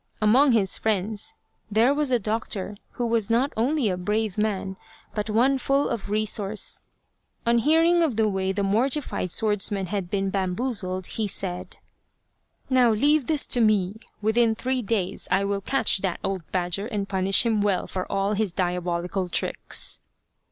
Among his friends there was a doctor, who was not only a brave man, but one full of resource. On hearing of the way the mortified swordsman had been bam boozled, he said :" Now leave this to me. Within three days I will catch that old badger and punish him well for all his diabolical tricks."